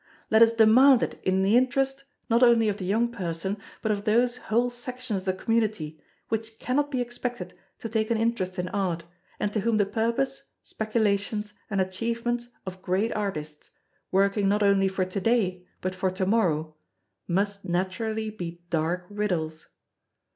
Let us demand it in the interest, not only of the young person, but of those whole sections of the community which cannot be expected to take an interest in Art, and to whom the purpose, speculations, and achievements of great artists, working not only for to day but for to morrow, must naturally be dark riddles.